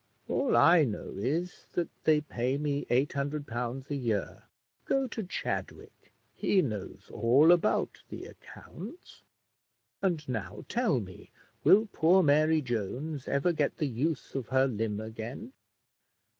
All I know is, that they pay me £800 a year. Go to Chadwick, he knows all about the accounts; and now tell me, will poor Mary Jones ever get the use of her limb again?"